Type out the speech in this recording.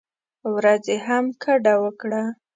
ورځې هم ګډه وکړه.